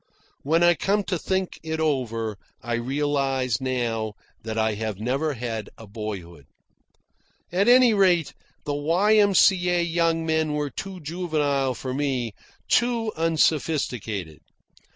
(When I come to think it over, I realise now that I have never had a boyhood.) At any rate, the Y.M.C.A. young men were too juvenile for me, too unsophisticated.